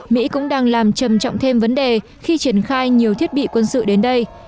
mỹ cũng đang làm trầm trọng thêm vấn đề khi triển khai nhiều thiết bị quân sự đến đây